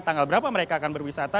tanggal berapa mereka akan berwisata